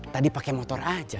tadi pake motor aja